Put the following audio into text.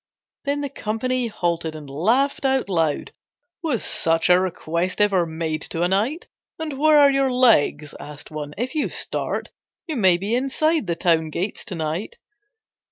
Then the company halted and laughed out loud. "Was such a request ever made to a knight?" "And where are your legs," asked one, "if you start, You may be inside the town gates to night."